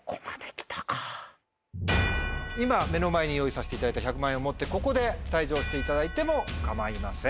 今目の前に用意させていただいた１００万円を持ってここで退場していただいても構いません。